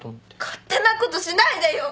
勝手なことしないでよ！